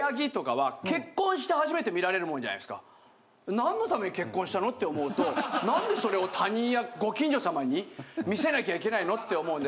何の為に結婚したのって思うと何でそれを他人やご近所さまに見せなきゃいけないのって思うんで。